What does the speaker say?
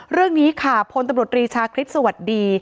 เรื่องนี้ค่ะพตรรีชาคริสสวัสดี